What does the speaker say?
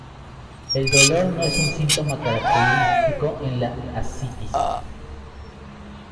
El dolor no es un síntoma característico en la ascitis.